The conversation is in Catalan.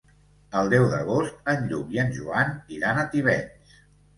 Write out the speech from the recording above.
El deu d'agost en Lluc i en Joan iran a Tivenys.